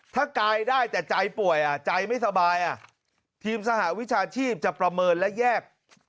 ถ้ากายได้แต่ใจป่วยใจไม่สบายทีมสหวิชาชีพจะประเมินและแยก